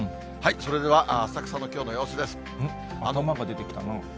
それでは浅草のきょうの様子です。